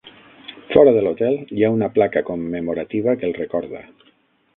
Fora de l'hotel hi ha una placa commemorativa que el recorda.